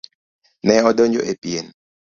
Ne odonjo e pien.